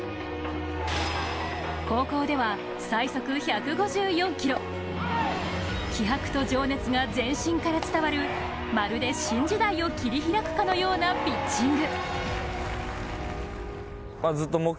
高校では最速１５４キロ、気迫と情熱が全身から伝わる、まるで新時代を切り開くかのようなピッチング。